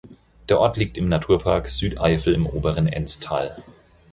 Der Ort liegt im Naturpark Südeifel im oberen Enztal.